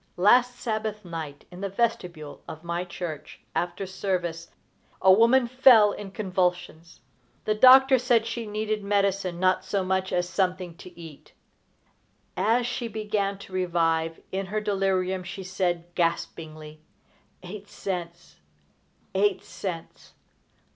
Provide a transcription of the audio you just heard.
Last Sabbath night, in the vestibule of my church, after service, a woman fell in convulsions. The doctor said she needed medicine not so much as something to eat. As she began to revive in her delirium, she said, gaspingly: "Eight cents! Eight cents!